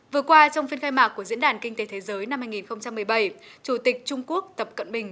vừa qua trong phiên khai mạc của diễn đàn kinh tế thế giới năm hai nghìn một mươi bảy chủ tịch trung quốc tập cận bình